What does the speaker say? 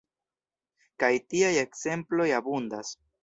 Kaj tiaj ekzemploj abundas.